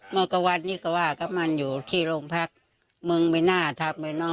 เมื่อกว่านนี่ก็ว่าก็มันอยู่ที่โรงพักษณ์มึงไม่น่าทำเลยเนอะ